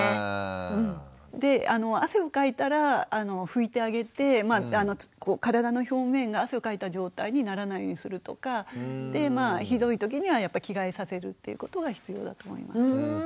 で汗をかいたら拭いてあげて体の表面が汗をかいた状態にならないようにするとかひどい時には着替えさせるっていうことが必要だと思います。